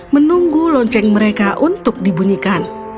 menunggu lonceng mereka untuk dibunyikan